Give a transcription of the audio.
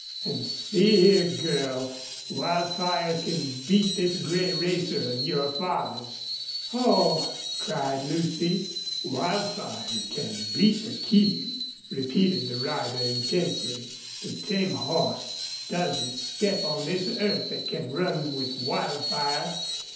An' see here, girl, Wildfire can beat this gray racer of your father's." "Oh!" cried Lucy. "Wildfire can beat the King," repeated the rider, intensely. "The tame horse doesn't step on this earth that can run with Wildfire.